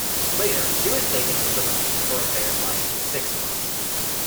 Later she was taken to Liverpool for repairs lasting six months.